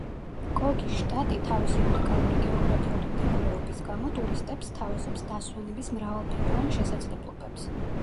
კოგის შტატი, თავისი უნიკალური გეოგრაფიული მდებარეობის გამო, ტურისტებს სთავაზობს დასვენების მრავალფეროვან შესაძლებლობებს.